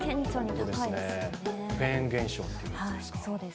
フェーン現象っていうやつですか。